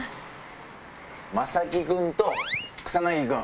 柾木君と草薙君。